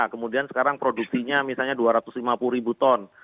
kemudian sekarang produksinya misalnya dua ratus lima puluh ribu ton